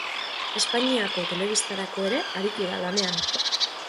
Espainiako telebistarako ere aritu da lanean.